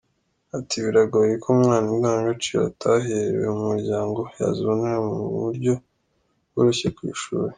Ati "Biragoye ko umwana indangagaciro ataherewe mu muryango yazibonera mu muryo bworoshye ku ishuri.